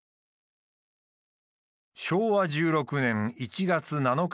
昭和１６年１月７日